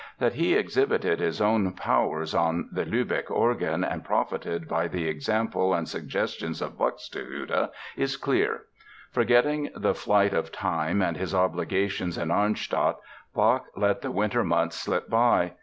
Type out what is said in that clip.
That he exhibited his own powers on the Lübeck organ and profited by the example and suggestions of Buxtehude is clear. Forgetting the flight of time and his obligations in Arnstadt, Bach let the winter months slip by.